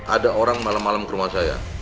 ada orang malam malam ke rumah saya